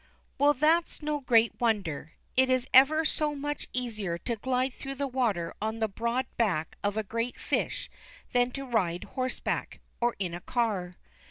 Well, that is no great wonder. It is ever so much easier to glide through the water on the broad back of a great fish than to ride horseback, or in a car.